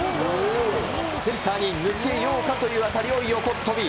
センターに抜けようかという当たりを横っ飛び。